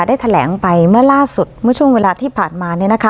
ได้แถลงไปเมื่อช่วงเวลาที่ผ่านมา